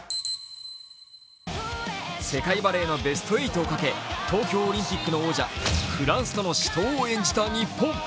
世界バレーのベスト８をかけ東京オリンピックの王者、フランスとの死闘を演じた日本。